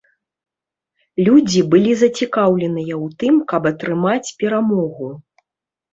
Людзі былі зацікаўленыя ў тым, каб атрымаць перамогу.